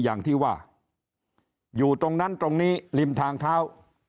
อย่างที่ว่าอยู่ตรงนั้นตรงนี้ริมทางเท้า